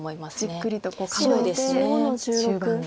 じっくりと構えて終盤に。